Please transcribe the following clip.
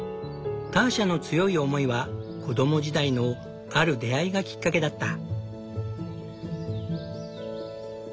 ターシャの強い思いは子供時代のある出会いがきっかけだった。